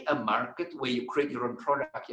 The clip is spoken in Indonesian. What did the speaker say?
hanya sebuah pasar di mana anda membuat produk anda sendiri